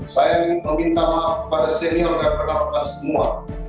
saya meminta maaf pada senior dan pekan pekan semua